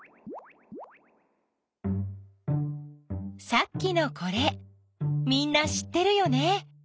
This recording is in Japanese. さっきのこれみんな知ってるよね。